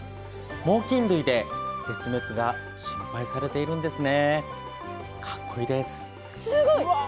猛きん類で絶滅が心配されているんですね。